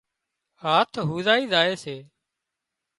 هاٿ هُوزائي زائي سي